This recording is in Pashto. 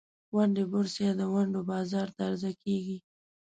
ونډې بورس یا د ونډو بازار ته عرضه کیږي.